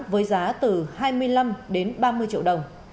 với giá từ hai mươi năm đến ba mươi triệu đồng